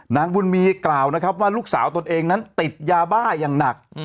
นางบุญมีกล่าวนะครับว่าลูกสาวตนเองนั้นติดยาบ้าอย่างหนัก